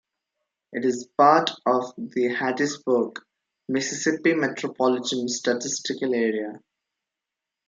It is part of the Hattiesburg, Mississippi Metropolitan Statistical Area.